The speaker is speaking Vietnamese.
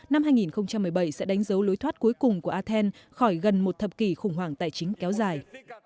năm hai nghìn một mươi bảy sẽ đánh dấu lối thoát cuối cùng của athen khỏi gần một thập kỷ khủng hoảng tài chính kéo dài